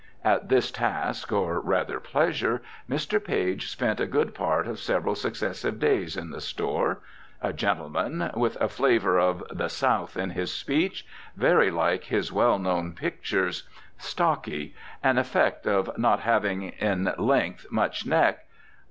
At this task, or, rather, pleasure, Mr. Page spent a good part of several successive days in the store. A gentleman, with a flavour of "the South" in his speech, very like his well known pictures; stocky; an effect of not having, in length, much neck.